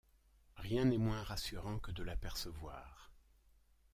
Rien n’est moins rassurant que de l’apercevoir.